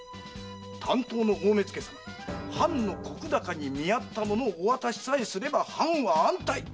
担当の大目付様に藩の石高に見合った物をお渡しさえすれば藩は安泰。